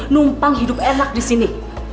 numpang hidup enak di sini